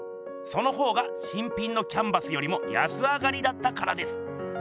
その方が新品のキャンバスよりも安上がりだったからです。